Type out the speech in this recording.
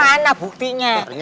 ada apaan sih